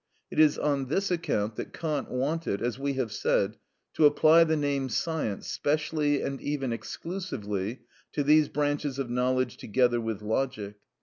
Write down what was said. It is on this account that Kant wanted, as we have said, to apply the name science specially and even exclusively to these branches of knowledge together with logic.